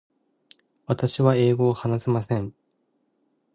私は英語を話せません。